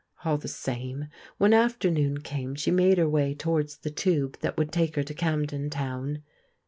All the same, when afternoon came she made her way towards the tube that would take her to Camden Town.